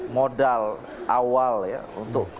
modal awal ya untuk